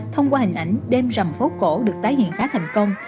thông qua hình ảnh đêm rằm phố cổ được tái hiện khá thành công